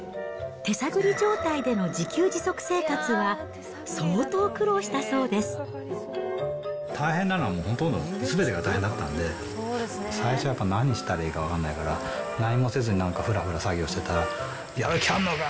手探り状態での自給自足生活は、大変なのは、ほとんど、すべてが大変だったんで、最初はやっぱ、何したらいいか分かんないから、何もせずになんか、ふらふら作業してたら、やる気あんのか！